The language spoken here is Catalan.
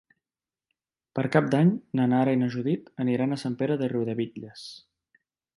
Per Cap d'Any na Nara i na Judit aniran a Sant Pere de Riudebitlles.